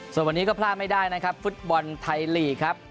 ส่วนวันนี้ก็พลาดไม่ได้นะครับฟุตบอลไทยลีกครับ